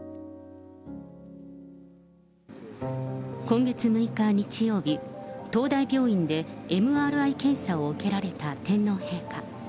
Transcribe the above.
今月６日日曜日、東大病院でＭＲＩ検査を受けられた天皇陛下。